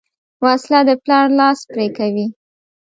وسله د پلار لاس پرې کوي